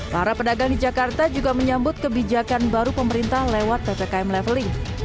para pedagang di jakarta juga menyambut kebijakan baru pemerintah lewat ppkm leveling